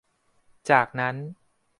จากนั้น